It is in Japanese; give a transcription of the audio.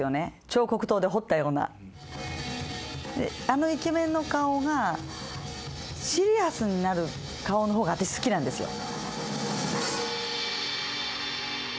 彫刻刀で彫ったようなあのイケメンの顔がシリアスになる顔の方が私好きなんですよ